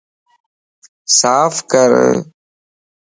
صاف ڪر